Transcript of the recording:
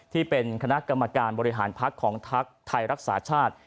ที่เป็นคณะกรรมการบริหารพักของพักไทยรักษาชาติ